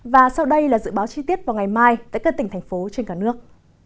và sau đây là dự báo chi tiết vào ngày mai tại các tỉnh thành phố trên cả nước